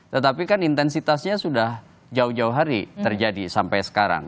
tetapi kan intensitasnya sudah jauh jauh hari terjadi sampai sekarang